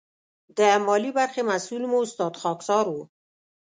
د مالي برخې مسؤل مو استاد خاکسار و.